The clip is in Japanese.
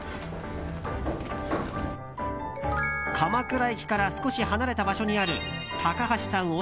鎌倉駅から少し離れた場所にある高橋さん